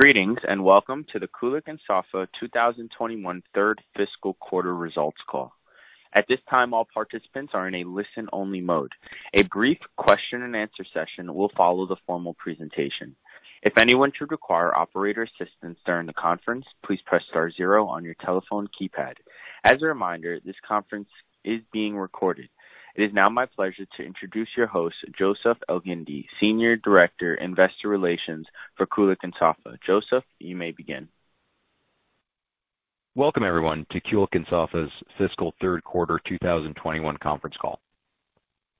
Greetings, welcome to the Kulicke and Soffa 2021 third fiscal quarter results call. At this time, all participants are in a listen-only mode. A brief question and answer session will follow the formal presentation. If anyone should require operator assistance during the conference, please press star zero on your telephone keypad. As a reminder, this conference is being recorded. It is now my pleasure to introduce your host, Joseph Elgindy, Senior Director, Investor Relations for Kulicke and Soffa. Joseph, you may begin. Welcome, everyone, to Kulicke & Soffa's fiscal Q3 2021 conference call.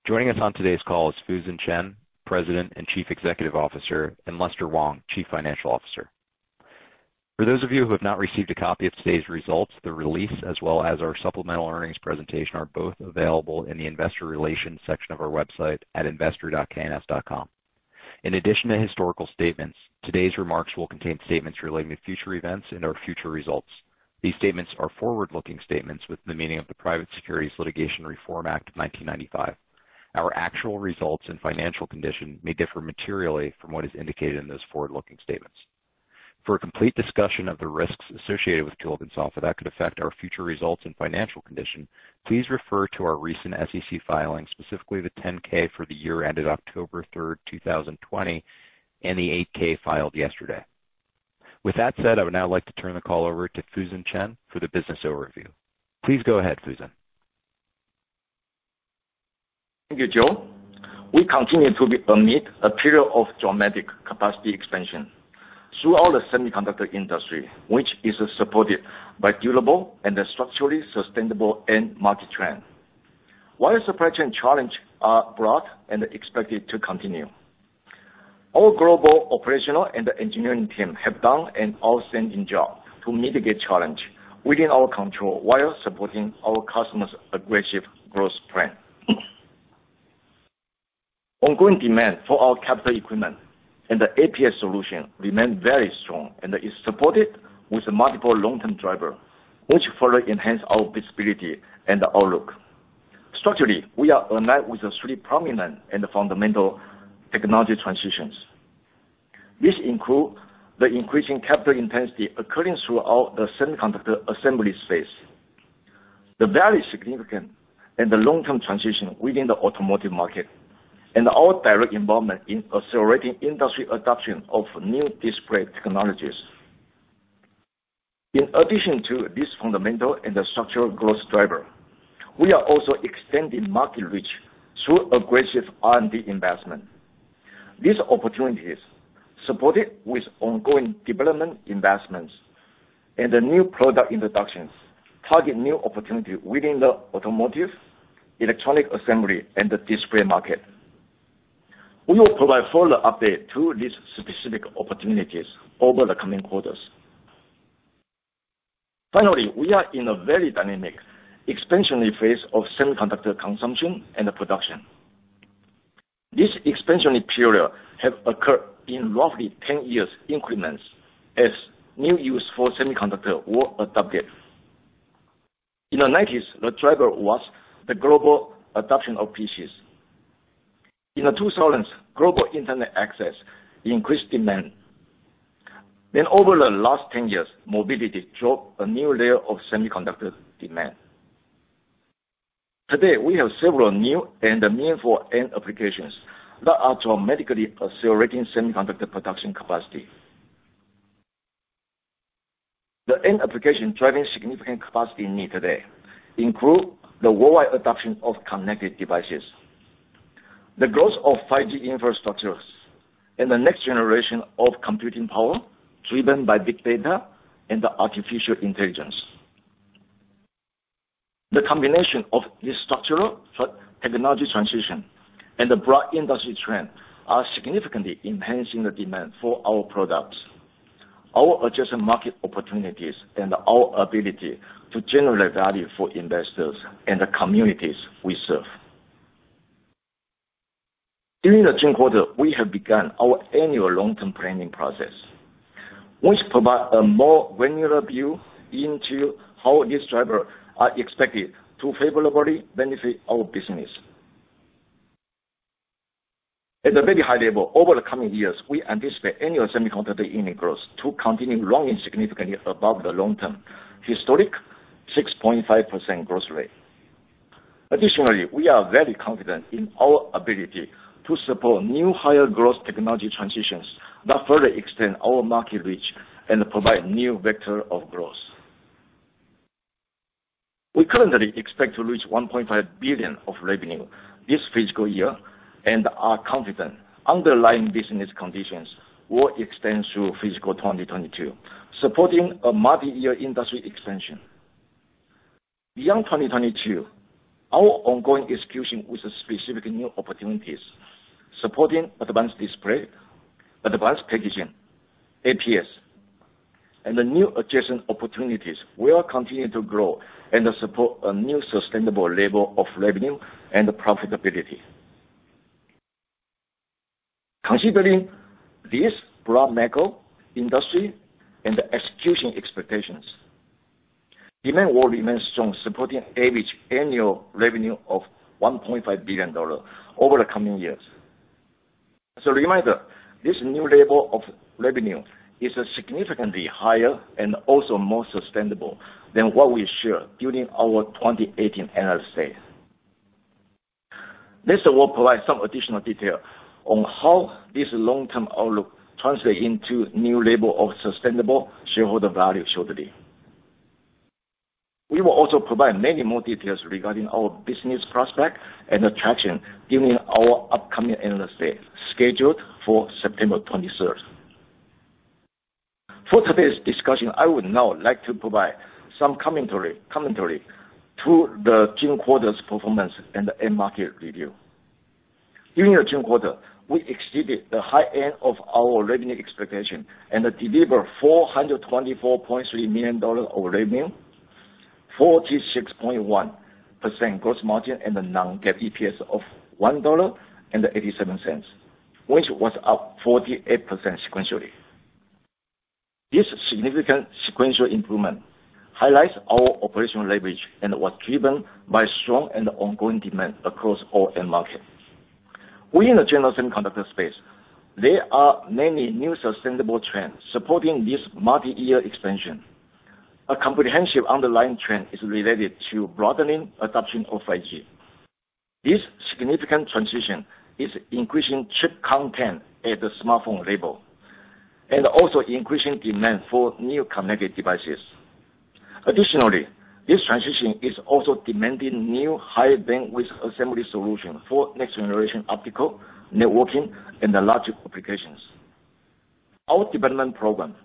Joining us on today's call is Fusen Chen, President and Chief Executive Officer, and Lester Wong, Chief Financial Officer. For those of you who have not received a copy of today's results, the release, as well as our supplemental earnings presentation, are both available in the investor relations section of our website at investor.kns.com. In addition to historical statements, today's remarks will contain statements relating to future events and our future results. These statements are forward-looking statements with the meaning of the Private Securities Litigation Reform Act of 1995. Our actual results and financial condition may differ materially from what is indicated in those forward-looking statements. For a complete discussion of the risks associated with Kulicke and Soffa that could affect our future results and financial condition, please refer to our recent SEC filings, specifically the 10-K for the year ended October 3rd, 2020, and the 8-K filed yesterday. With that said, I would now like to turn the call over to Fusen Chen for the business overview. Please go ahead, Fusen. Thank you, Joseph. We continue to be amid a period of dramatic capacity expansion throughout the semiconductor industry, which is supported by durable and structurally sustainable end market trend. While supply chain challenge are broad and expected to continue, our global operational and engineering team have done an outstanding job to mitigate challenge within our control while supporting our customers' aggressive growth plan. Ongoing demand for our capital equipment and the APS solution remain very strong and is supported with multiple long-term driver, which further enhance our visibility and outlook. Structurally, we are aligned with three prominent and fundamental technology transitions. This include the increasing capital intensity occurring throughout the semiconductor assembly space, the very significant and the long-term transition within the automotive market, and our direct involvement in accelerating industry adoption of new display technologies. In addition to this fundamental and structural growth driver, we are also extending market reach through aggressive R&D investment. These opportunities, supported with ongoing development investments and new product introductions, target new opportunity within the automotive, electronic assembly, and the display market. We will provide further update to these specific opportunities over the coming quarters. Finally, we are in a very dynamic expansionary phase of semiconductor consumption and production. This expansion period have occurred in roughly 10 years increments as new use for semiconductor were adopted. In the 1990s, the driver was the global adoption of PCs. In the 2000s, global internet access increased demand. Over the last 10 years, mobility drove a new layer of semiconductor demand. Today, we have several new and meaningful end applications that are dramatically accelerating semiconductor production capacity. The end application driving significant capacity need today include the worldwide adoption of connected devices, the growth of 5G infrastructures, and the next generation of computing power driven by big data and artificial intelligence. The combination of this structural technology transition and the broad industry trend are significantly enhancing the demand for our products, our adjacent market opportunities, and our ability to generate value for investors and the communities we serve. During the June quarter, we have begun our annual long-term planning process, which provide a more granular view into how these drivers are expected to favorably benefit our business. At a very high level, over the coming years, we anticipate annual semiconductor unit growth to continue growing significantly above the long-term historic 6.5% growth rate. Additionally, we are very confident in our ability to support new higher growth technology transitions that further extend our market reach and provide new vector of growth. We currently expect to reach $1.5 billion of revenue this fiscal year and are confident underlying business conditions will extend through fiscal 2022, supporting a multiyear industry expansion. Beyond 2022, our ongoing execution with specific new opportunities supporting advanced display, advanced packaging, APS, and the new adjacent opportunities will continue to grow and support a new sustainable level of revenue and profitability. Considering this broad macro industry and execution expectations, demand will remain strong, supporting average annual revenue of $1.5 billion over the coming years. Reminder, this new level of revenue is significantly higher and also more sustainable than what we shared during our 2018 analyst day. This will provide some additional detail on how this long-term outlook translates into new level of sustainable shareholder value shortly. We will also provide many more details regarding our business prospects and attraction during our upcoming analyst day, scheduled for September 23rd. For today's discussion, I would now like to provide some commentary to the June quarter's performance and end market review. During the June quarter, we exceeded the high end of our revenue expectation and delivered $424.3 million of revenue, 46.1% gross margin, and a non-GAAP EPS of $1.87, which was up 48% sequentially. This significant sequential improvement highlights our operational leverage and was driven by strong and ongoing demand across all end markets. Within the general semiconductor space, there are many new sustainable trends supporting this multi-year expansion. A comprehensive underlying trend is related to broadening adoption of 5G. This significant transition is increasing chip content at the smartphone level and also increasing demand for new connected devices. Additionally, this transition is also demanding new higher bandwidth assembly solutions for next generation optical networking and logic applications. Our development program,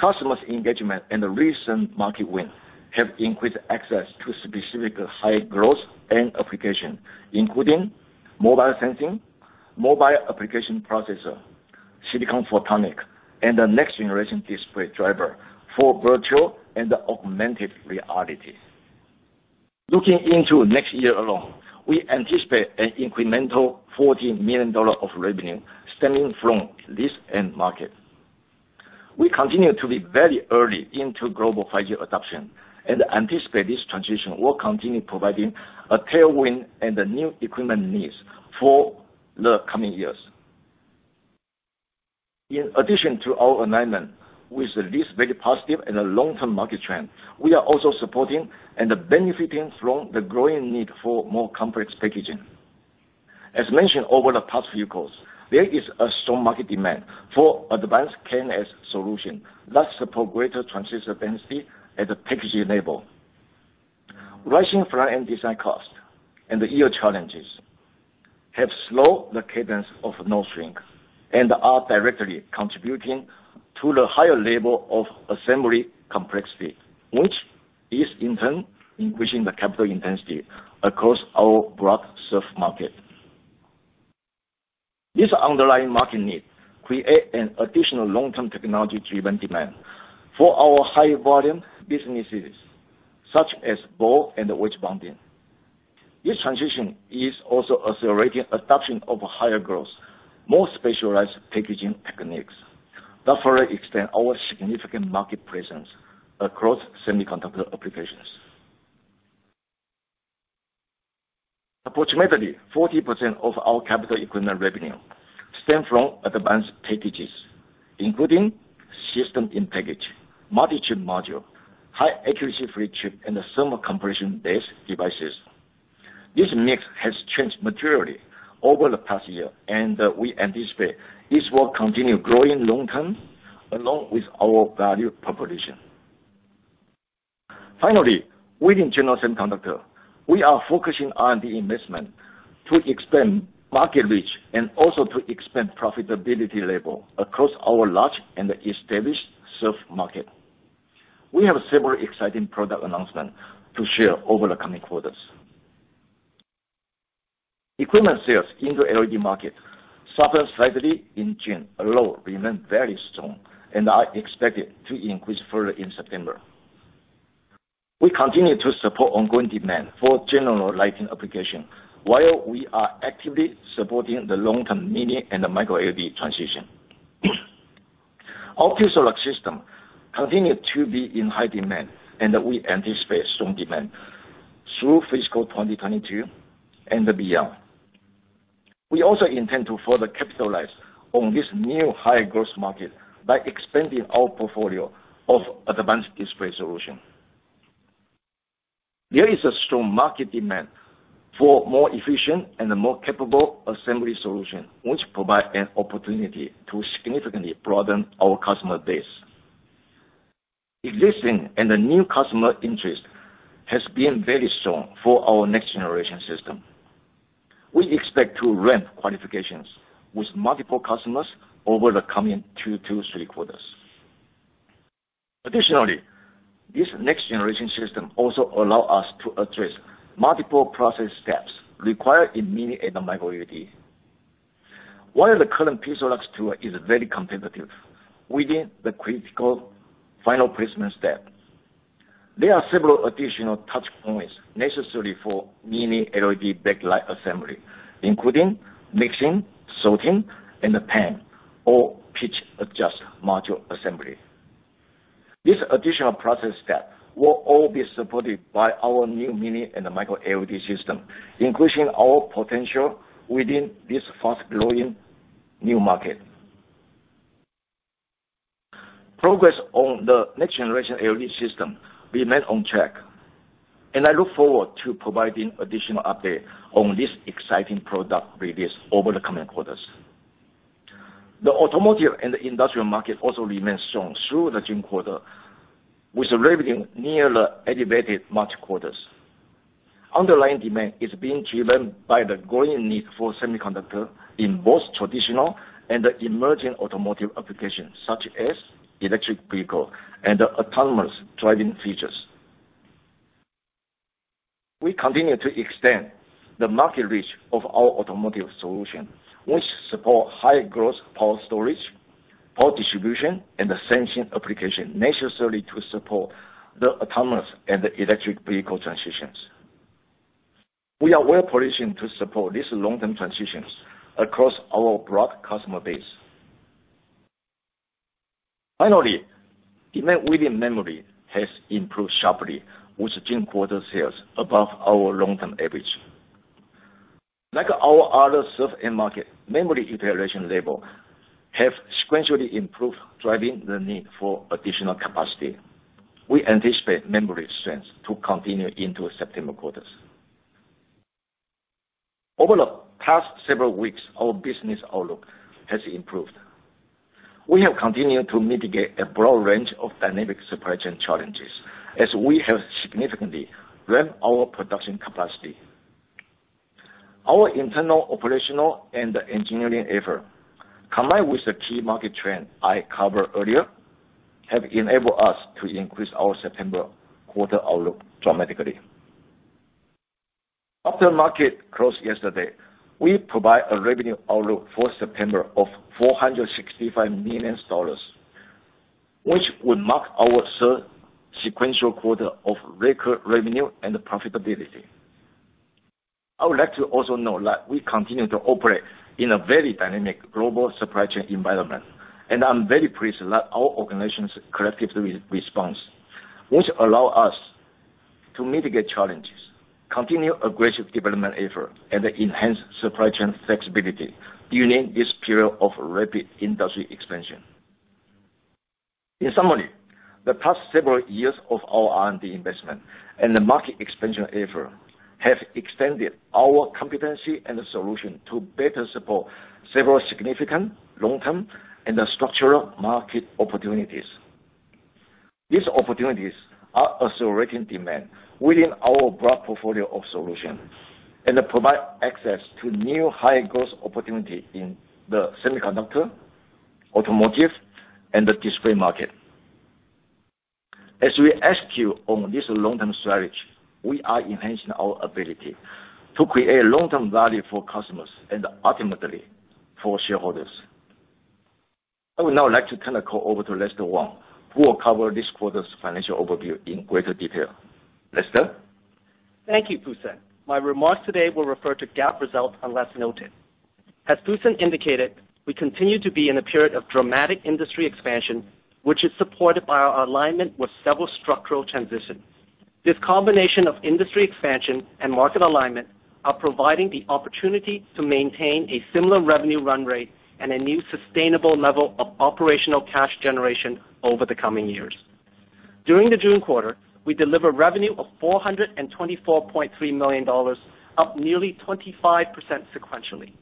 customers engagement, and the recent market win have increased access to specific high growth end application, including mobile sensing, mobile application processor, silicon photonics, and the next generation display driver for virtual and augmented reality. Looking into next year alone, we anticipate an incremental $40 million of revenue stemming from this end market. We continue to be very early into global 5G adoption and anticipate this transition will continue providing a tailwind and the new equipment needs for the coming years. In addition to our alignment with this very positive and long-term market trend, we are also supporting and benefiting from the growing need for more complex packaging. As mentioned over the past few calls, there is a strong market demand for advanced K&S solution that support greater transistor density at the package level. Rising front-end design cost and yield challenges have slowed the cadence of node shrink and are directly contributing to the higher level of assembly complexity, which is in turn increasing the capital intensity across our broad served market. This underlying market need creates an additional long-term technology driven demand for our high volume businesses, such as ball and wedge bonding. This transition is also accelerating adoption of higher growth, more specialized packaging techniques that further extend our significant market presence across semiconductor applications. Approximately 40% of our capital equipment revenue stem from advanced packages, including System in Package, multi-chip module, high accuracy flip chip, and thermal compression-based devices. This mix has changed materially over the past year, and we anticipate this will continue growing long-term along with our value proposition. Finally, within general semiconductor, we are focusing on the investment to expand market reach and also to expand profitability level across our large and established served market. We have several exciting product announcements to share over the coming quarters. Equipment sales into LED market suffered slightly in June, although remain very strong and are expected to increase further in September. We continue to support ongoing demand for general lighting application while we are actively supporting the long-term Mini LED and Micro LED transition. Our PIXALUX system continue to be in high demand, and we anticipate strong demand through fiscal 2022 and beyond. We also intend to further capitalize on this new high growth market by expanding our portfolio of advanced display solution. There is a strong market demand for more efficient and more capable assembly solution, which provide an opportunity to significantly broaden our customer base. Existing and the new customer interest has been very strong for our next generation system. We expect to ramp qualifications with multiple customers over the coming two to three quarters. Additionally, this next generation system also allow us to address multiple process steps required in Mini LED and Micro LED. While the current PIXALUX tool is very competitive within the critical final placement step, there are several additional touchpoints necessary for Mini LED backlight assembly, including mixing, sorting, and the pan or pitch adjust module assembly. This additional process step will all be supported by our new Mini LED and Micro LED system, increasing our potential within this fast-growing new market. Progress on the next generation LED system remains on track, and I look forward to providing additional updates on this exciting product release over the coming quarters. The automotive and the industrial market also remains strong through the June quarter, with revenue near the elevated March quarter. Underlying demand is being driven by the growing need for semiconductors in both traditional and emerging automotive applications, such as electric vehicle and autonomous driving features. We continue to extend the market reach of our automotive solution, which supports high growth power storage, power distribution, and sensing applications necessary to support the autonomous and electric vehicle transitions. We are well-positioned to support these long-term transitions across our broad customer base. Finally, demand within memory has improved sharply, with June quarter sales above our long-term average. Like our other served market, memory iteration levels have sequentially improved, driving the need for additional capacity. We anticipate memory strength to continue into September quarters. Over the past several weeks, our business outlook has improved. We have continued to mitigate a broad range of dynamic supply chain challenges as we have significantly ramped our production capacity. Our internal operational and engineering effort, combined with the key market trend I covered earlier, have enabled us to increase our September quarter outlook dramatically. After market closed yesterday, we provide a revenue outlook for September of $465 million, which would mark our third sequential quarter of record revenue and profitability. I'm very pleased that our organization's collective response, which allow us to mitigate challenges, continue aggressive development effort, and enhance supply chain flexibility during this period of rapid industry expansion. In summary, the past several years of our R&D investment and the market expansion effort have extended our competency and solution to better support several significant long-term and structural market opportunities. These opportunities are accelerating demand within our broad portfolio of solutions and provide access to new high-growth opportunity in the semiconductor, automotive, and the display market. As we execute on this long-term strategy, we are enhancing our ability to create long-term value for customers and ultimately for shareholders. I would now like to turn the call over to Lester Wong, who will cover this quarter's financial overview in greater detail. Lester? Thank you, Fusen. My remarks today will refer to GAAP results unless noted. As Fusen indicated, we continue to be in a period of dramatic industry expansion, which is supported by our alignment with several structural transitions. This combination of industry expansion and market alignment are providing the opportunity to maintain a similar revenue run rate and a new sustainable level of operational cash generation over the coming years. During the June quarter, we delivered revenue of $424.3 million, up nearly 25% sequentially.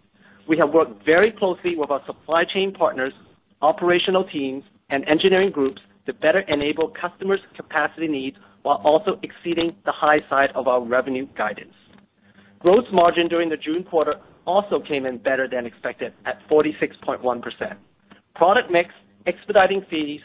We have worked very closely with our supply chain partners, operational teams, and engineering groups to better enable customers' capacity needs while also exceeding the high side of our revenue guidance. Gross margin during the June quarter also came in better than expected, at 46.1%. Product mix, expediting fees,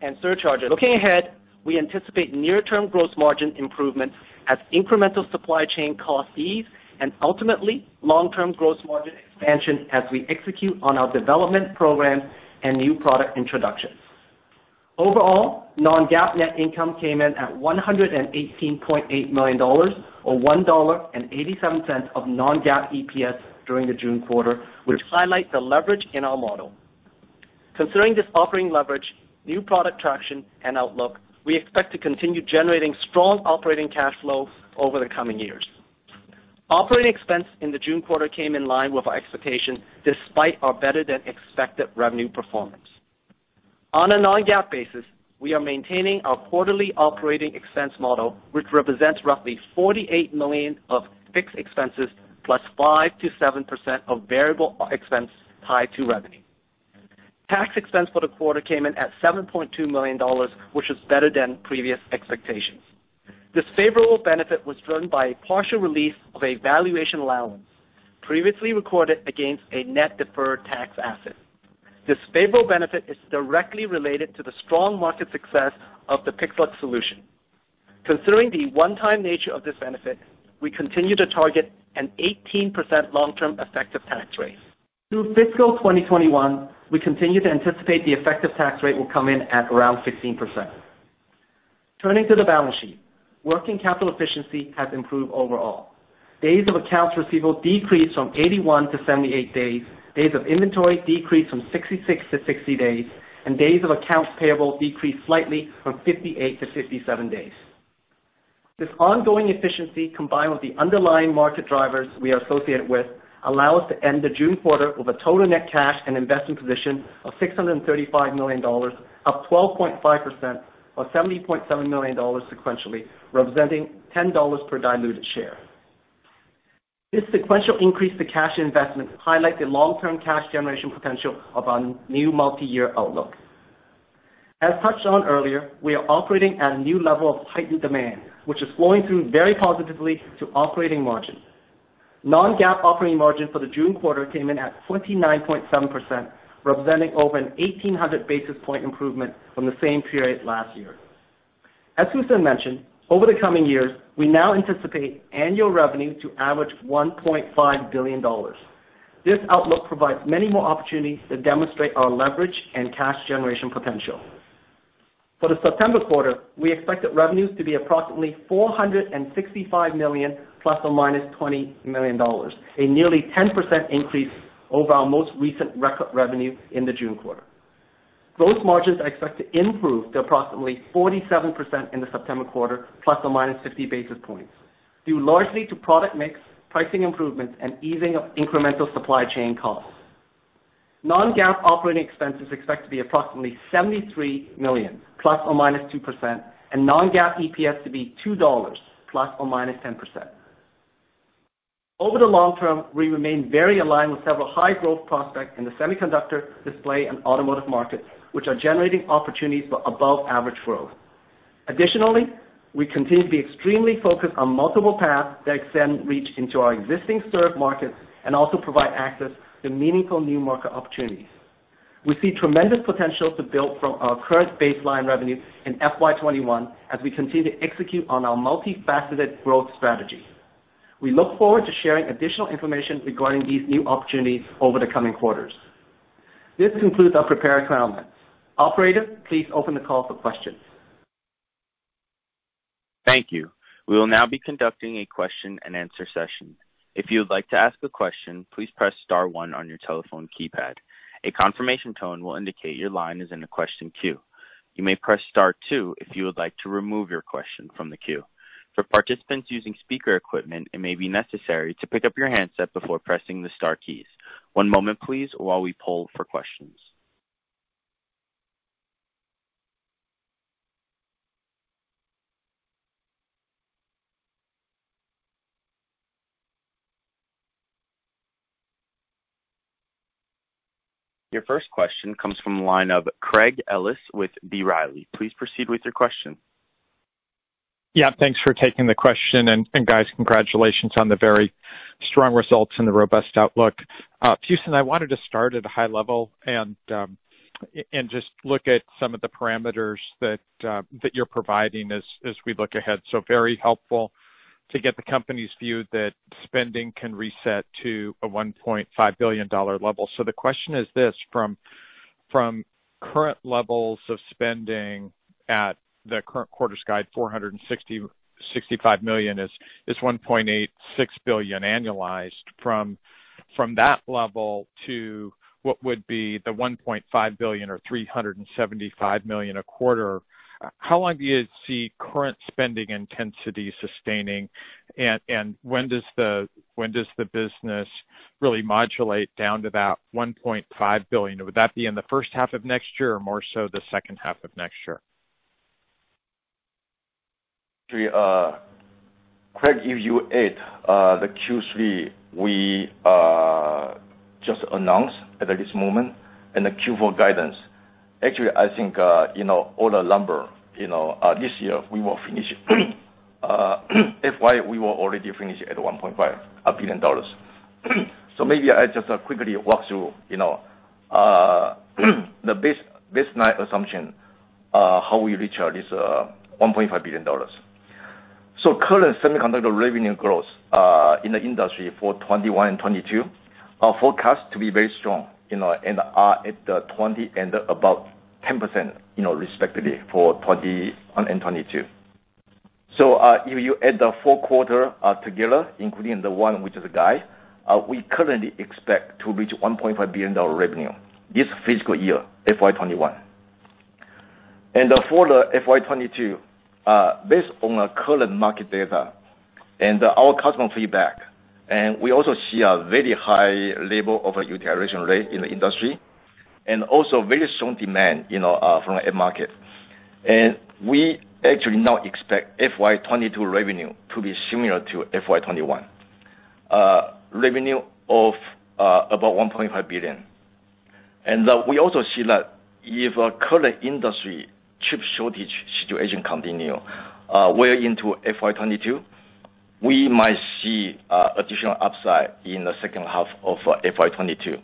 and surcharges. Looking ahead, we anticipate near-term gross margin improvements as incremental supply chain costs ease and ultimately long-term gross margin expansion as we execute on our development program and new product introductions. Overall, non-GAAP net income came in at $118.8 million, or $1.87 of non-GAAP EPS during the June quarter, which highlights the leverage in our model. Considering this operating leverage, new product traction, and outlook, we expect to continue generating strong operating cash flow over the coming years. Operating expense in the June quarter came in line with our expectations, despite our better than expected revenue performance. On a non-GAAP basis, we are maintaining our quarterly operating expense model, which represents roughly $48 million of fixed expenses, +5%-7% of variable expense tied to revenue. Tax expense for the quarter came in at $7.2 million, which is better than previous expectations. This favorable benefit was driven by a partial release of a valuation allowance previously recorded against a net deferred tax asset. This favorable benefit is directly related to the strong market success of the PIXALUX solution. Considering the one-time nature of this benefit, we continue to target an 18% long-term effective tax rate. Through fiscal 2021, we continue to anticipate the effective tax rate will come in at around 16%. Turning to the balance sheet, working capital efficiency has improved overall. Days of accounts receivable decreased from 81-78 days of inventory decreased from 66-60 days, and days of accounts payable decreased slightly from 58-57 days. This ongoing efficiency, combined with the underlying market drivers we are associated with, allow us to end the June quarter with a total net cash and investing position of $635 million, up 12.5% or $70.7 million sequentially, representing $10 per diluted share. This sequential increase to cash investment highlight the long-term cash generation potential of our new multi-year outlook. As touched on earlier, we are operating at a new level of heightened demand, which is flowing through very positively to operating margins. non-GAAP operating margin for the June quarter came in at 29.7%, representing over an 1,800 basis point improvement from the same period last year. As Fusen mentioned, over the coming years, we now anticipate annual revenue to average $1.5 billion. This outlook provides many more opportunities to demonstrate our leverage and cash generation potential. For the September quarter, we expect the revenues to be approximately $465 million ±$20 million, a nearly 10% increase over our most recent record revenue in the June quarter. Growth margins are expected to improve to approximately 47% in the September quarter, ±50 basis points, due largely to product mix, pricing improvements, and easing of incremental supply chain costs. Non-GAAP operating expenses are expected to be approximately $73 million ±2%, and non-GAAP EPS to be $2 ±10%. Over the long term, we remain very aligned with several high-growth prospects in the semiconductor, display, and automotive markets, which are generating opportunities for above-average growth. Additionally, we continue to be extremely focused on multiple paths that extend reach into our existing served markets and also provide access to meaningful new market opportunities. We see tremendous potential to build from our current baseline revenue in FY 2021 as we continue to execute on our multifaceted growth strategy. We look forward to sharing additional information regarding these new opportunities over the coming quarters. This concludes our prepared comments. Operator, please open the call for questions. Thank you. We will now be conducting a question and answer session. Your first question comes from the line of Craig Ellis with B. Riley. Please proceed with your question. Yeah, thanks for taking the question. Guys, congratulations on the very strong results and the robust outlook. Fusen, I wanted to start at a high level and just look at some of the parameters that you're providing as we look ahead. Very helpful to get the company's view that spending can reset to a $1.5 billion level. The question is this: from current levels of spending at the current quarter's guide, $465 million is $1.86 billion annualized. From that level to what would be the $1.5 billion or $375 million a quarter, how long do you see current spending intensity sustaining, and when does the business really modulate down to that $1.5 billion? Would that be in the first half of next year or more so the second half of next year? Craig, if you add the Q3 we just announced at this moment and the Q4 guidance, actually, I think all the numbers this year, we will finish FY, we will already finish at $1.5 billion. Maybe I just quickly walk through the baseline assumption, how we reach this $1.5 billion. Current semiconductor revenue growth in the industry for 2021 and 2022 are forecast to be very strong and are at about 10% respectively for 2021 and 2022. If you add the four quarters together, including the one which is a guide, we currently expect to reach $1.5 billion revenue this fiscal year, FY 2021. For FY 2022, based on our current market data and our customer feedback, and we also see a very high level of utilization rate in the industry and also very strong demand from the end market. We actually now expect FY 2022 revenue to be similar to FY 2021, revenue of about $1.5 billion. We also see that if current industry chip shortage situation continue well into FY 2022, we might see additional upside in the second half of FY 2022.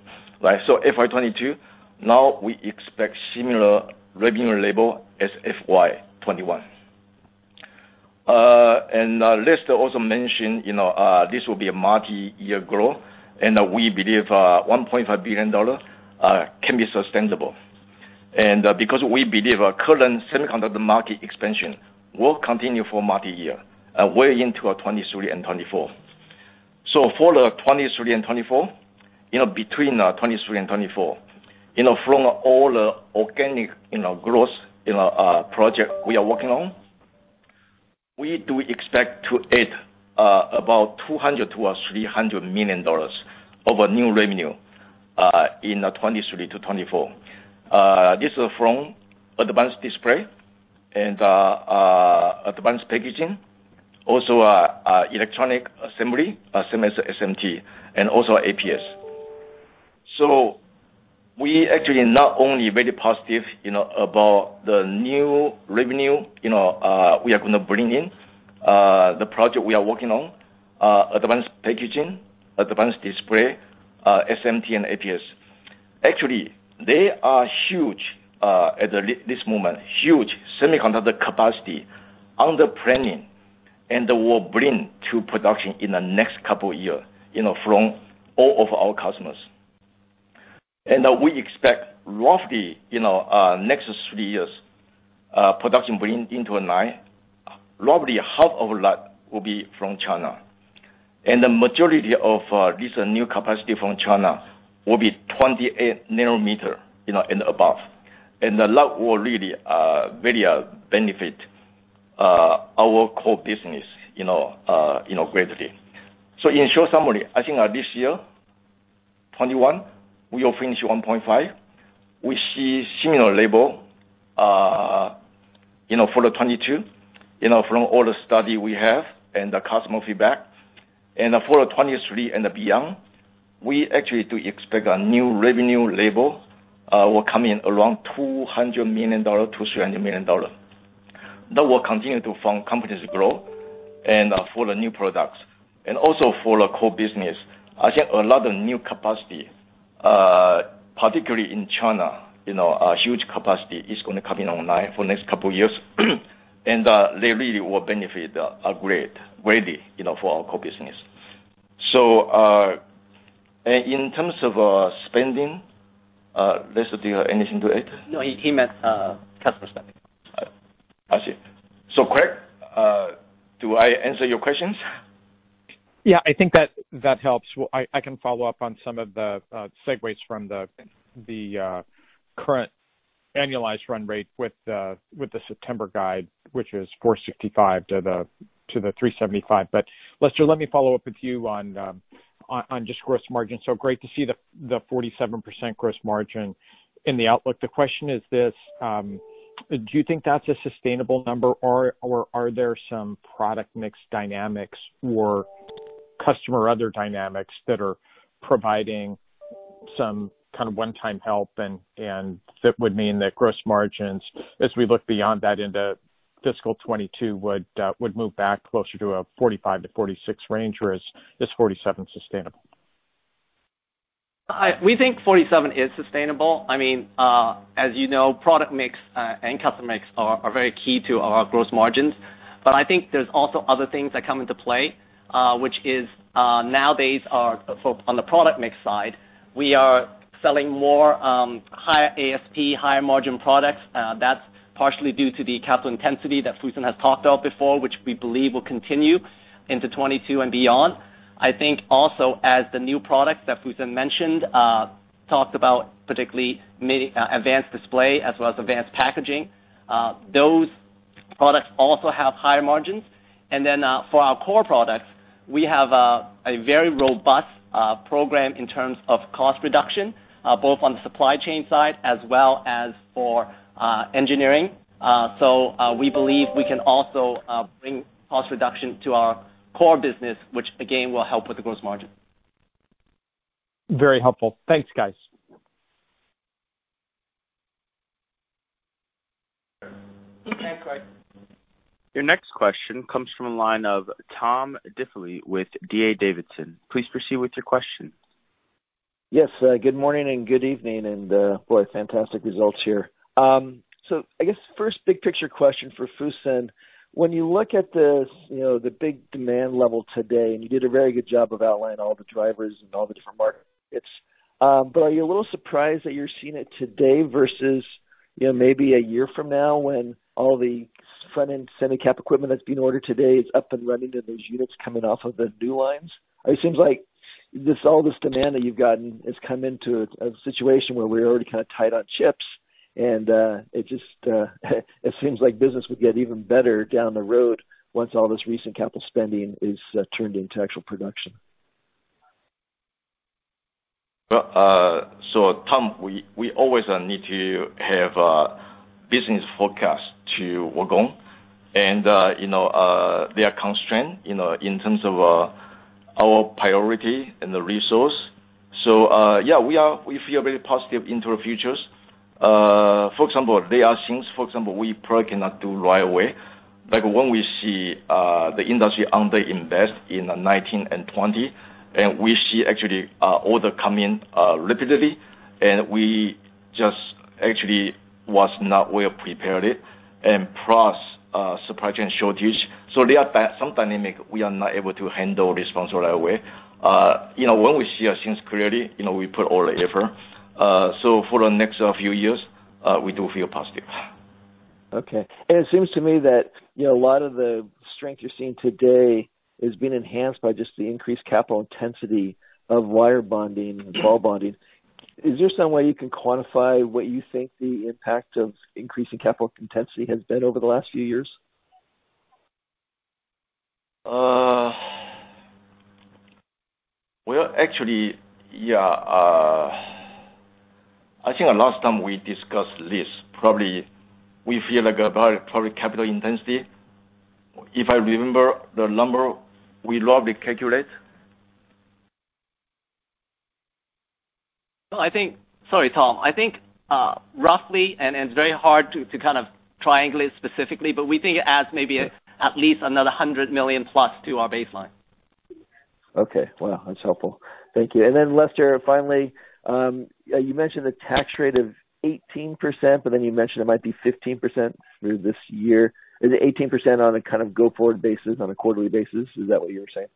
FY 2022, now we expect similar revenue level as FY 2021. Lester also mentioned this will be a multi-year growth, and we believe $1.5 billion can be sustainable. Because we believe our current semiconductor market expansion will continue for multi-year, way into our 2023 and 2024. For the 2023 and 2024, between 2023 and 2024, from all the organic growth project we are working on, we do expect to add about $200 million to a $300 million of new revenue in 2023 to 2024. This is from advanced display and advanced packaging, also electronic assembly, same as SMT, and also APS. We actually not only very positive about the new revenue we are going to bring in, the project we are working on, advanced packaging, advanced display, SMT, and APS. They are huge at this moment, huge semiconductor capacity under planning and will bring to production in the next couple of year, from all of our customers. We expect roughly, next three years, production bring into line, probably half of that will be from China. The majority of this new capacity from China will be 28 nanometer and above. That will really very benefit our core business greatly. In short summary, I think this year, 2021, we will finish $1.5. We see similar level for 2022, from all the study we have and the customer feedback. For 2023 and beyond, we actually do expect a new revenue level will come in around $200 million-$300 million. That will continue to fund company's growth and for the new products. Also for the core business, I think a lot of new capacity, particularly in China, huge capacity is going to come in online for next couple of years. They really will benefit greatly for our core business. In terms of spending, Lester, do you have anything to add? No, he meant customer spending. I see. Craig, do I answer your questions? Yeah, I think that helps. I can follow up on some of the segues from the current annualized run rate with the September guide, which is $465 to the $375. Lester, let me follow up with you on just gross margin. Great to see the 47% gross margin in the outlook. The question is this: do you think that's a sustainable number, or are there some product mix dynamics or customer other dynamics that are providing some kind of one-time help and that would mean that gross margins, as we look beyond that into fiscal 2022, would move back closer to a 45%-46% range, or is this 47% sustainable? We think 47 is sustainable. As you know, product mix and customer mix are very key to our gross margins. I think there's also other things that come into play, which is, nowadays, on the product mix side, we are selling more higher ASP, higher margin products. That's partially due to the capital intensity that Fusen has talked about before, which we believe will continue into 2022 and beyond. I think also as the new products that Fusen mentioned, talked about particularly advanced display as well as advanced packaging. Those products also have higher margins. For our core products, we have a very robust program in terms of cost reduction, both on the supply chain side as well as for engineering. We believe we can also bring cost reduction to our core business, which again, will help with the gross margin. Very helpful. Thanks, guys. Yeah, Craig. Your next question comes from the line of Tom Diffely with D.A. Davidson. Please proceed with your question. Yes, good morning and good evening, and boy, fantastic results here. I guess first big picture question for Fusen. When you look at the big demand level today, and you did a very good job of outlining all the drivers and all the different markets. But are you a little surprised that you're seeing it today versus maybe a year from now when all the front-end semi cap equipment that's being ordered today is up and running and those units coming off of the new lines? It seems like all this demand that you've gotten has come into a situation where we're already kind of tight on chips, and it seems like business would get even better down the road once all this recent capital spending is turned into actual production. Tom, we always need to have a business forecast to work on. There are constraints in terms of our priority and the resource. Yeah, we feel very positive into the futures. For example, there are things, for example, we probably cannot do right away. When we see the industry under-invest in the 2019 and 2020, and we see actually order come in rapidly, Actually was not well prepared, and plus supply chain shortage. There are some dynamics we are not able to handle response right away. When we see our things clearly, we put all the effort. For the next few years, we do feel positive. Okay. It seems to me that a lot of the strength you're seeing today is being enhanced by just the increased capital intensity of wire bonding and ball bonding. Is there some way you can quantify what you think the impact of increasing capital intensity has been over the last few years? Well, actually, I think the last time we discussed this, probably we feel like probably capital intensity. If I remember the number, we roughly calculate. Sorry, Tom. I think roughly, and it's very hard to triangulate specifically, but we think it adds maybe at least another $100 million+ to our baseline. Okay. Wow, that's helpful. Thank you. Lester, finally, you mentioned the tax rate of 18%, but then you mentioned it might be 15% through this year. Is it 18% on a go-forward basis on a quarterly basis? Is that what you were saying?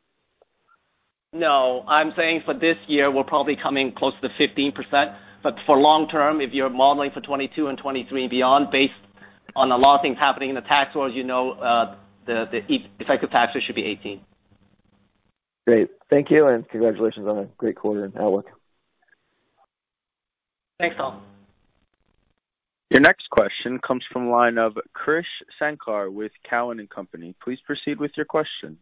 No, I'm saying for this year, we're probably coming close to 15%. For long term, if you're modeling for 2022 and 2023 and beyond, based on a lot of things happening in the tax world, the effective tax rate should be 18%. Great. Thank you, and congratulations on a great quarter and outlook. Thanks, Tom. Your next question comes from the line of Krish Sankar with Cowen and Company. Please proceed with your question.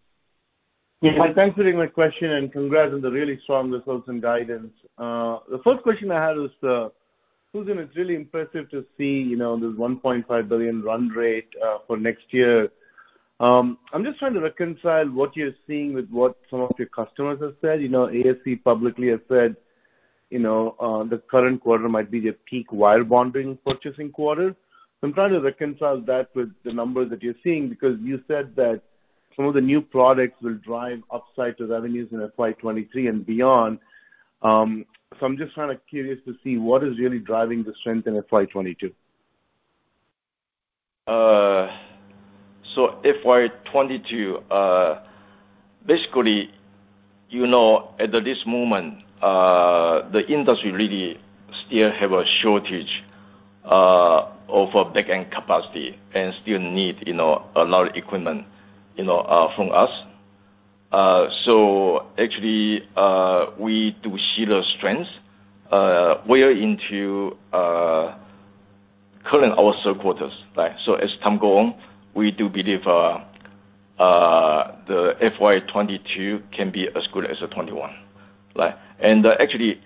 Yeah. Thanks for taking my question, and congrats on the really strong results and guidance. The first question I had is, Kuljin, it's really impressive to see this $1.5 billion run rate for next year. I'm just trying to reconcile what you're seeing with what some of your customers have said. ASE publicly has said the current quarter might be their peak wire bonding purchasing quarter. I'm trying to reconcile that with the numbers that you're seeing, because you said that some of the new products will drive upside to revenues in FY 2023 and beyond. I'm just curious to see what is really driving the strength in FY 2022. FY 2022, basically, at this moment, the industry really still have a shortage of back-end capacity and still need a lot of equipment from us. Actually, we do see the strength well into current our Q3s. Actually, as time go on, we do believe the FY 2022 can be as good as 2021. Actually,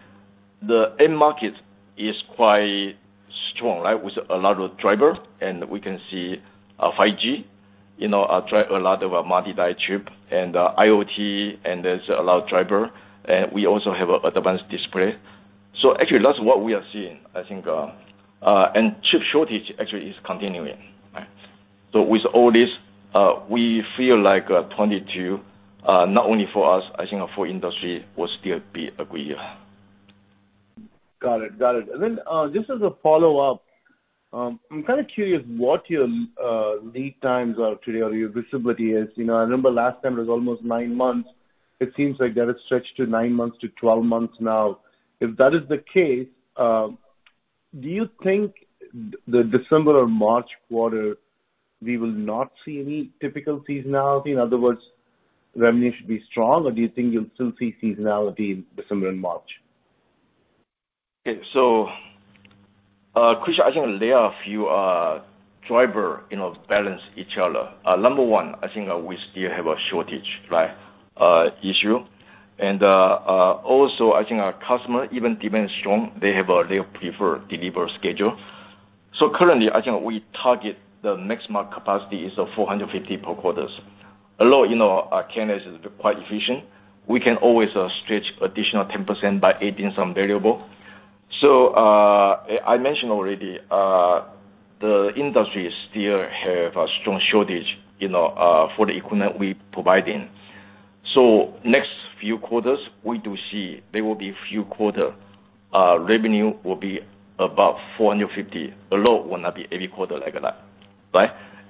the end market is quite strong, with a lot of driver, and we can see 5G drive a lot of multi-die chip, and IoT, and there's a lot of driver. We also have advanced display. Actually, that's what we are seeing, I think. Chip shortage actually is continuing. With all this, we feel like 2022, not only for us, I think for industry, will still be a good year. Got it. Just as a follow-up, I'm curious what your lead times are today, or your visibility is. I remember last time it was almost 9 months. It seems like that has stretched to 9 months to 12 months now. If that is the case, do you think the December or March quarter, we will not see any typical seasonality? In other words, revenue should be strong, or do you think you'll still see seasonality in December and March? Okay. Krish, I think there are a few driver balance each other. Also, I think our customer, even demand is strong, they have a preferred delivery schedule. Currently, I think we target the next market capacity is 450 per quarters. Although K&S is quite efficient, we can always stretch additional 10% by adding some variable. I mentioned already, the industry still have a strong shortage for the equipment we providing. Next few quarters, we do see there will be few quarter revenue will be above 450. Although will not be every quarter like that.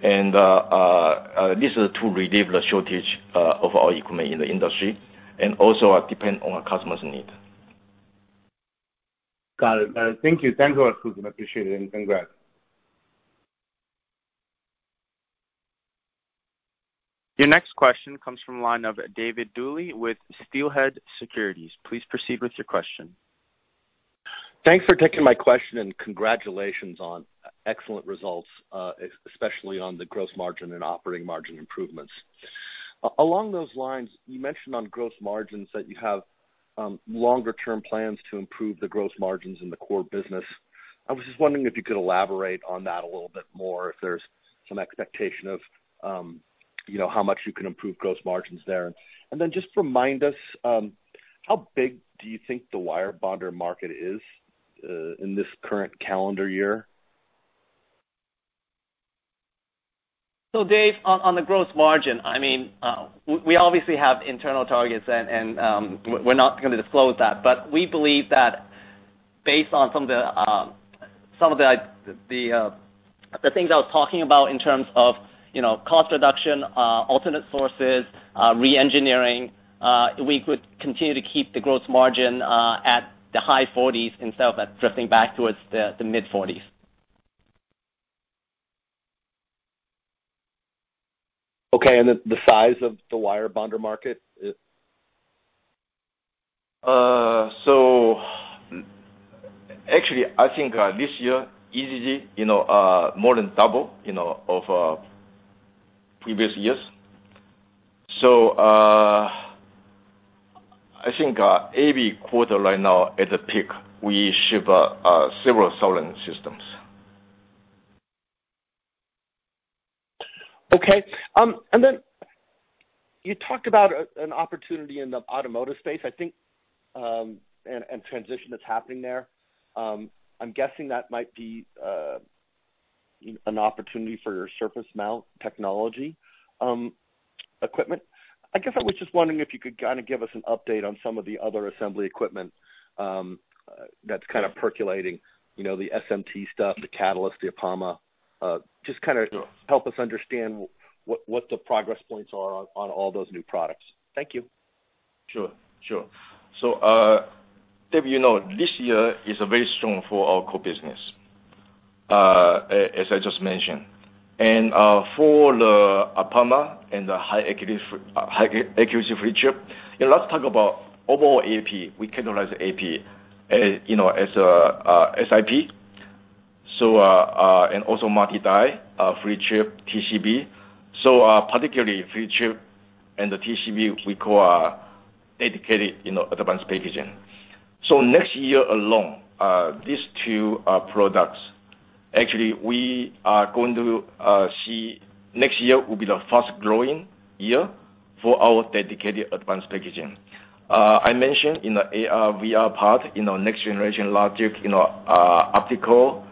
This is to relieve the shortage of our equipment in the industry, and also depend on our customer's need. Got it. Thank you. Thanks a lot, Fusen Chen. I appreciate it, and congrats. Your next question comes from the line of David Duley with Steelhead Securities. Please proceed with your question. Thanks for taking my question, and congratulations on excellent results, especially on the gross margin and operating margin improvements. Along those lines, you mentioned on gross margins that you have longer-term plans to improve the gross margins in the core business. I was just wondering if you could elaborate on that a little bit more, if there's some expectation of how much you can improve gross margins there. Then just remind us, how big do you think the wire bonder market is in this current calendar year? David, on the gross margin, we obviously have internal targets, and we're not going to disclose that. We believe that based on some of the things I was talking about in terms of cost reduction, alternate sources, re-engineering, we could continue to keep the gross margin at the high 40s instead of that drifting back towards the mid-40s. Okay. The size of the wire bonder market? Actually, I think this year, easily more than double, of previous years. I think every quarter right now at the peak, we ship several thousand systems. Okay. Then you talked about an opportunity in the automotive space, I think, and transition that's happening there. I'm guessing that might be an opportunity for your surface mount technology equipment. I guess I was just wondering if you could give us an update on some of the other assembly equipment that's percolating, the SMT stuff, the Katalyst, the APAMA. Just help us understand what the progress points are on all those new products. Thank you. Sure. David, you know, this year is very strong for our core business, as I just mentioned. For the APAMA and the high accuracy flip chip, let's talk about overall AP. We categorize AP as SIP. Also multi-die, flip chip TCB. Particularly flip chip and the TCB, we call dedicated advanced packaging. Next year alone, these two products, actually, we are going to see next year will be the fast-growing year for our dedicated advanced packaging. I mentioned in the AR, VR part, next generation logic, optical,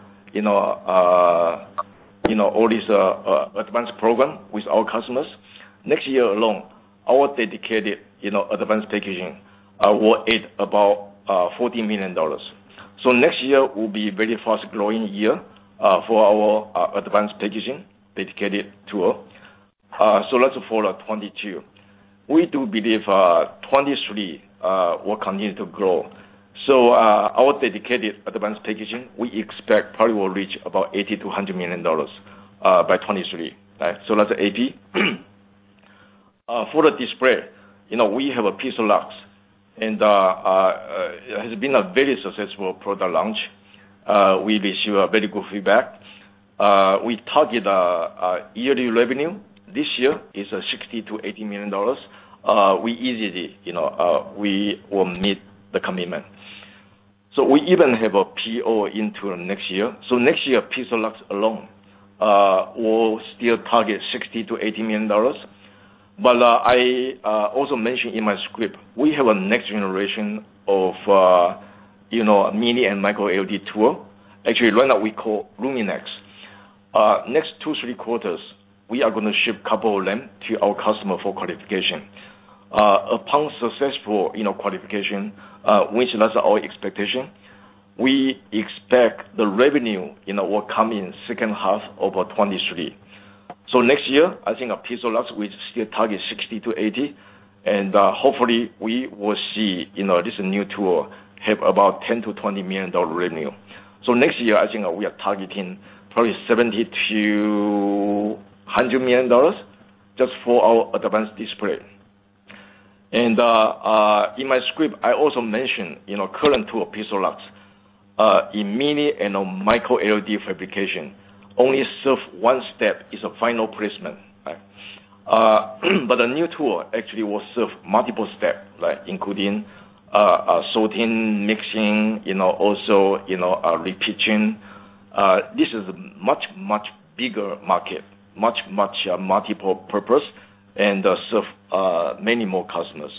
all these advanced program with our customers. Next year alone, our dedicated advanced packaging will hit about $40 million. Next year will be very fast-growing year for our advanced packaging dedicated tool. That's for 2022. We do believe 2023 will continue to grow. Our dedicated advanced packaging, we expect probably will reach about $80 million-$100 million, by 2023. That's AP. For the display, we have PIXALUX, and it has been a very successful product launch. We've received very good feedback. We target our yearly revenue this year is $60 million-$80 million. We easily will meet the commitment. We even have a PO into next year. Next year, PIXALUX alone will still target $60 million-$80 million. I also mentioned in my script, we have a next generation of Mini LED and Micro LED tool. Actually, right now we call LUMINEX. Next two, three quarters, we are going to ship couple of them to our customer for qualification. Upon successful qualification, which that's our expectation, we expect the revenue will come in second half of 2023. Next year, I think at PIXALUX, we still target 60-80, and hopefully we will see this new tool have about $10 million-$20 million revenue. Next year, I think we are targeting probably $70 million-$100 million just for our advanced display. In my script, I also mentioned current tool, PIXALUX, in Mini LED and Micro LED fabrication only serve one step as a final placement. The new tool actually will serve multiple step, including sorting, mixing, also re-pitching. This is much, much bigger market, much, much multiple purpose and serve many more customers.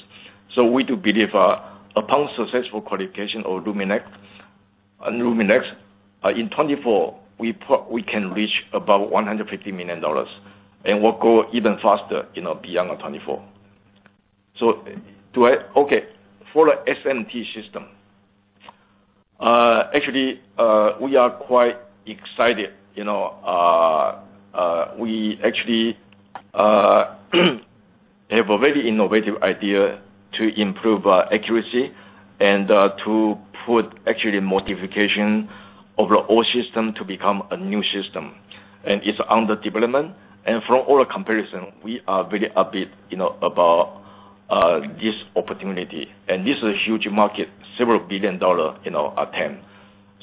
We do believe upon successful qualification of LUMINEX, in 2024, we can reach about $150 million and will grow even faster beyond 2024. Okay. For the SMT system, actually, we are quite excited. We actually have a very innovative idea to improve accuracy and to put actually modification of the old system to become a new system. It's under development. From all the comparison, we are very upbeat about this opportunity. This is a huge market, several billion dollar attempt.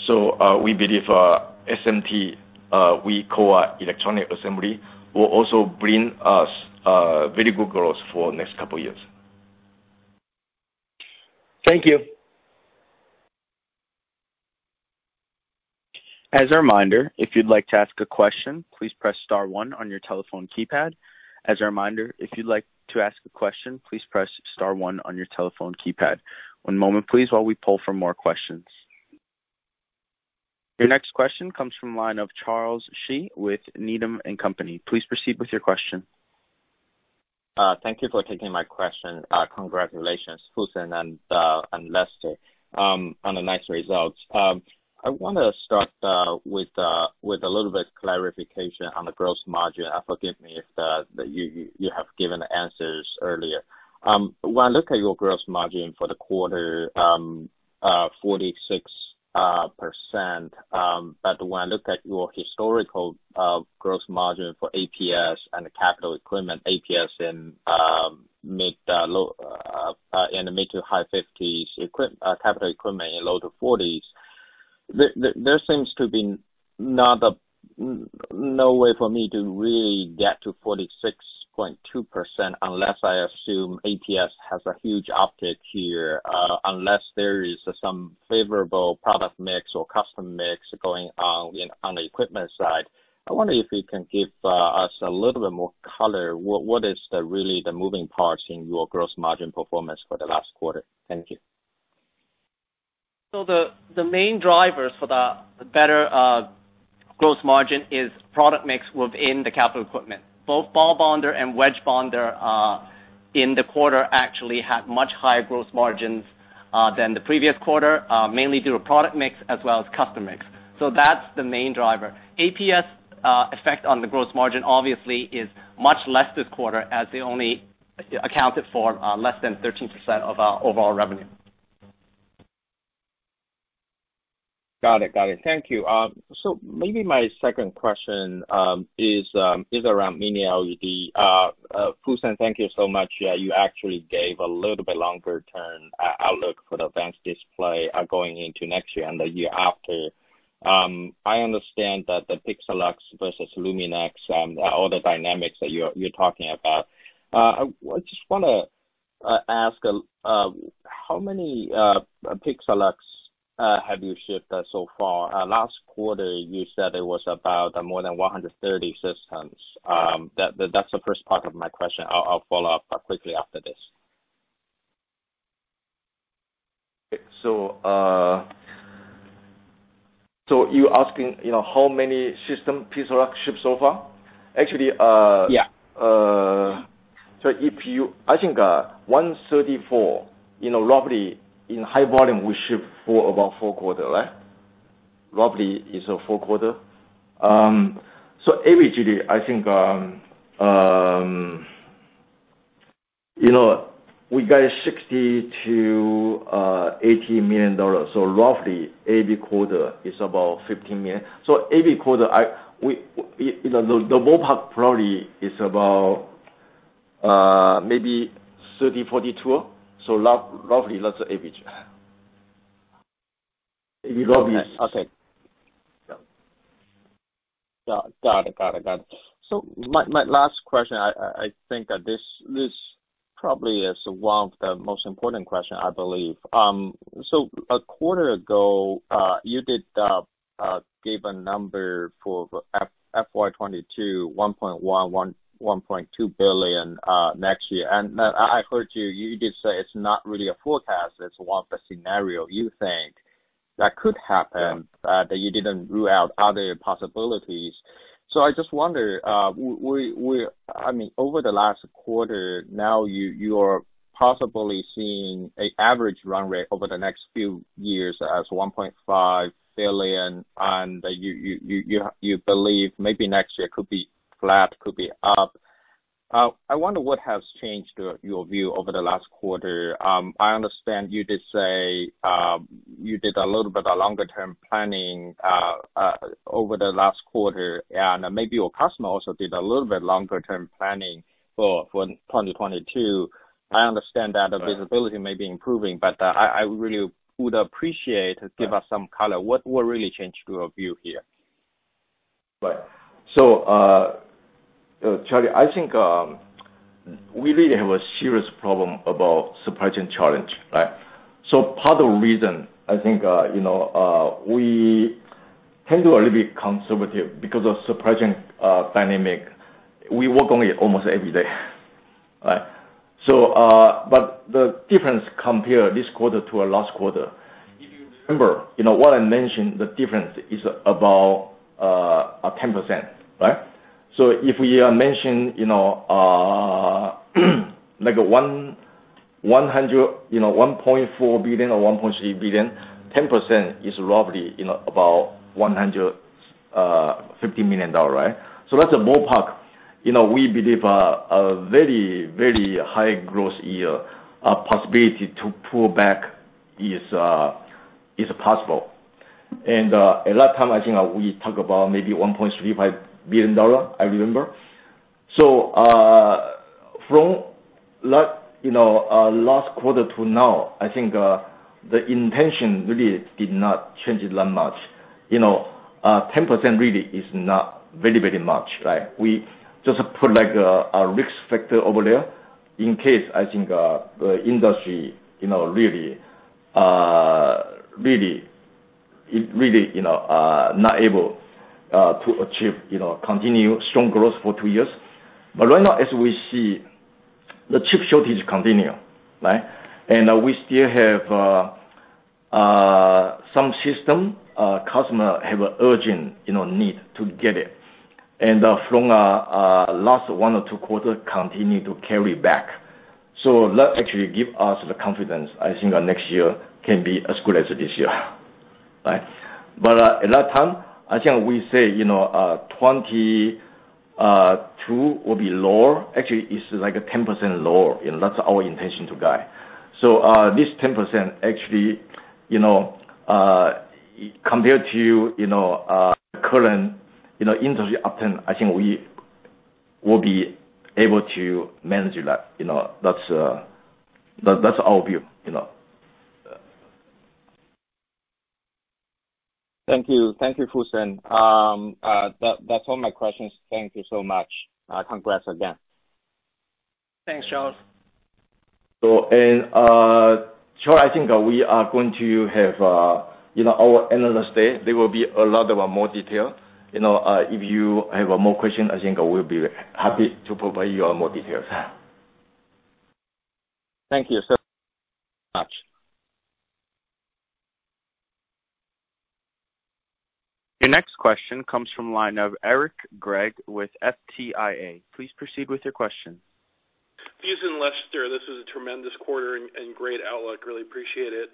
We believe SMT, we call electronic assembly, will also bring us very good growth for next couple years. Thank you. As a reminder, if you'd like to ask a question, please press star one on your telephone keypad. One moment, please, while we pull for more questions. Your next question comes from the line of Charles Shi with Needham & Company. Please proceed with your question. Thank you for taking my question. Congratulations, Fusen and Lester, on the nice results. I want to start with a little bit clarification on the gross margin. Forgive me if you have given answers earlier. When I look at your gross margin for the quarter, 46%, when I look at your historical gross margin for APS and capital equipment, APS in the mid to high 50s%, capital equipment in low to 40s%, there seems to be no way for me to really get to 46.2% unless I assume APS has a huge uptick here, unless there is some favorable product mix or custom mix going on the equipment side. I wonder if you can give us a little bit more color. What is really the moving parts in your gross margin performance for the last quarter? Thank you. The main drivers for the better gross margin is product mix within the capital equipment. Both ball bonder and wedge bonder, in the quarter, actually had much higher gross margins than the previous quarter, mainly due to product mix as well as custom mix. That is the main driver. APS effect on the gross margin obviously is much less this quarter as they only accounted for less than 13% of our overall revenue. Got it. Thank you. Maybe my second question is around Mini LED. Fusen, thank you so much. You actually gave a little bit longer-term outlook for the advanced display going into next year and the year after. I understand that the PIXALUX versus LUMINEX and all the dynamics that you're talking about. I just want to ask, how many PIXALUX have you shipped so far? Last quarter, you said it was about more than 130 systems. That's the first part of my question. I'll follow up quickly after this. You asking how many system PIXALUX shipped so far? Yeah I think, 134, roughly in high volume, we ship for about four quarter, right? Roughly is four quarter. Every quarter, I think, we got $60-$80 million. Roughly every quarter is about $15 million. Every quarter, the ballpark probably is about maybe $30-$42. Roughly that's the average. Okay. Got it. My last question, I think this probably is one of the most important question I believe. A quarter ago, you did give a number for FY 2022, $1.1 billion-$1.2 billion next year. I heard you did say it's not really a forecast, it's one of the scenario you think that could happen, that you didn't rule out other possibilities. I just wonder, over the last quarter, now you are possibly seeing an average run rate over the next few years as $1.5 billion, and you believe maybe next year could be flat, could be up. I wonder what has changed your view over the last quarter. I understand you did say, you did a little bit of longer term planning over the last quarter, and maybe your customer also did a little bit longer term planning for 2022. I understand that the visibility may be improving, but I really would appreciate, give us some color. What really changed your view here? Right. Charles, I think, we really have a serious problem about supply chain challenge, right? Part of the reason I think, we handle a little bit conservative because of supply chain dynamic. We work on it almost every day. Right? The difference compare this quarter to our last quarter, if you remember, what I mentioned, the difference is about 10%, right? If we mention, like $1.4 billion or $1.3 billion, 10% is roughly about $150 million, right? That's a ballpark. We believe a very high growth year possibility to pull back is possible. At that time, I think we talk about maybe $1.35 billion, I remember. From last quarter to now, I think, the intention really did not change that much. 10% really is not very much, right? We just put like a risk factor over there in case I think, the industry really not able to achieve continued strong growth for two years. Right now, as we see the chip shortage continue. We still have some system customer have an urgent need to get it. From last one or two quarter continue to carry back. That actually give us the confidence. I think our next year can be as good as this year. At that time, I think we say, 22% will be lower. Actually is like a 10% lower. That's our intention to guide. This 10% actually, compared to current industry uptick, I think we will be able to manage that. That's our view. Thank you. Thank you, Fusen. That's all my questions. Thank you so much. Congrats again. Thanks, Charles. Charles, I think we are going to have our analyst day. There will be a lot of more detail. If you have more question, I think I will be happy to provide you all more details. Thank you so much. Your next question comes from line of Eric Gregg with Four Tree Island Advisory. Please proceed with your question. Fusen, Lester. This is a tremendous quarter and great outlook. Really appreciate it.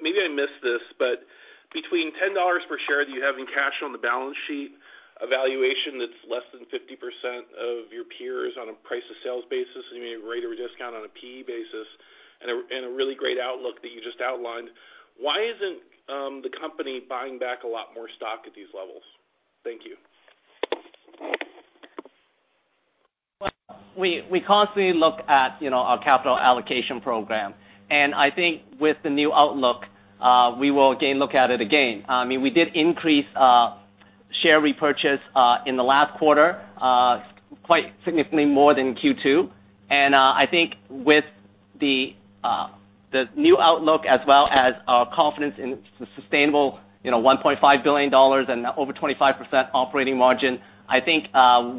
Maybe I missed this, but between $10 per share that you have in cash on the balance sheet, a valuation that's less than 50% of your peers on a price to sales basis, and you made a greater discount on a PE basis, and a really great outlook that you just outlined, why isn't the company buying back a lot more stock at these levels? Thank you. Well, we constantly look at our capital allocation program. I think with the new outlook, we will again look at it again. We did increase share repurchase in the last quarter, quite significantly more than Q2. I think with the new outlook as well as our confidence in sustainable $1.5 billion and over 25% operating margin, I think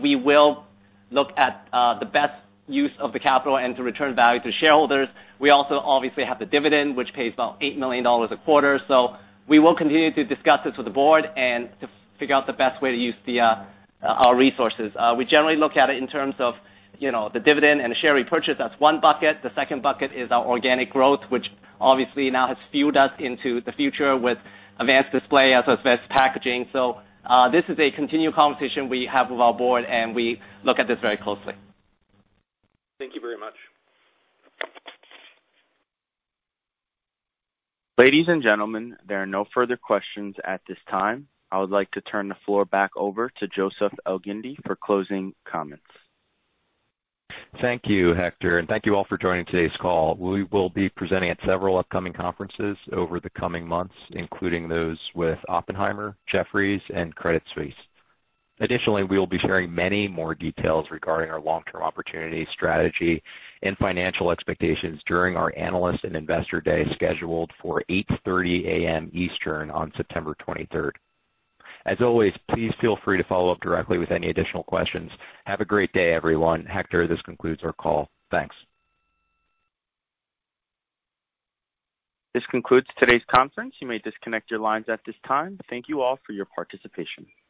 we will look at the best use of the capital and to return value to shareholders. We also obviously have the dividend, which pays about $8 million a quarter. We will continue to discuss this with the board and to figure out the best way to use our resources. We generally look at it in terms of the dividend and the share repurchase, that's one bucket. The second bucket is our organic growth, which obviously now has fueled us into the future with advanced display as well as advanced packaging. This is a continued conversation we have with our board, and we look at this very closely. Thank you very much. Ladies and gentlemen, there are no further questions at this time. I would like to turn the floor back over to Joseph Elgindy for closing comments. Thank you, Hector, and thank you all for joining today's call. We will be presenting at several upcoming conferences over the coming months, including those with Oppenheimer, Jefferies, and Credit Suisse. Additionally, we will be sharing many more details regarding our long-term opportunity strategy and financial expectations during our analyst and investor day scheduled for 8:30 A.M. Eastern on September 23rd. As always, please feel free to follow up directly with any additional questions. Have a great day, everyone. Hector, this concludes our call. Thanks. This concludes today's conference. You may disconnect your lines at this time. Thank you all for your participation.